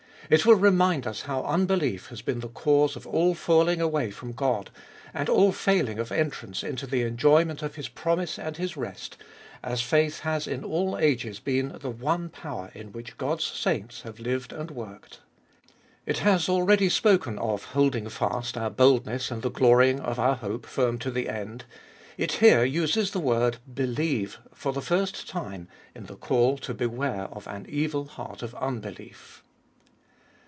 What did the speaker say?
It will remind us how unbelief has been the cause of all falling away from God, and all failing of entrance into the enjoyment of His promise and His rest, as faith has in all ages been the one power in which God's saints have lived and worked. It has already spoken of " holding fast our boldness and the glorying of our hope firm to the end "; it here uses the word " believe " for the first time in the call to beware of an evil heart of unbelief.